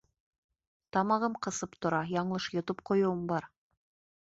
Тамағым ҡысып тора, яңылыш йотоп ҡуйыуым бар.